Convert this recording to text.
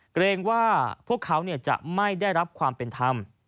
เกรงว่าพวกเขาจะไม่ได้รับความเป็นธรรม